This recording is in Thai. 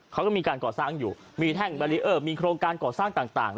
เขาก็มีการก่อสร้างอยู่มีแท่งแบรีเออร์มีโครงการก่อสร้างต่าง